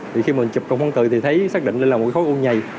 thì khi mình chụp cổng hóng tường thì thấy xác định là một khối u nhày